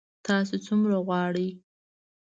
تاسو څومره غواړئ؟